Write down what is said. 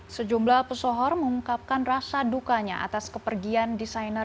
sejumlah pesohor mengungkapkan rasa dukanya atas kepergian desainer